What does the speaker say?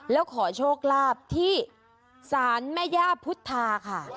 แล้วขอโชคลาภที่ศาลแม่ย่าพุทธาค่ะ